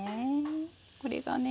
これがね